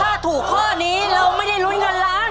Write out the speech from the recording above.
ถ้าถูกข้อนี้เราไม่ได้ลุ้นเงินล้าน